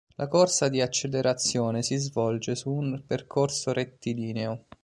La corsa di Accelerazione si svolge su un percorso rettilineo.